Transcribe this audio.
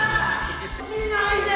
見ないで！